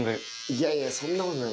いやいやそんなことない。